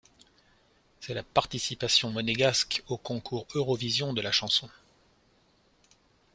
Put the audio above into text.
C'est la participation monégasque au Concours Eurovision de la chanson.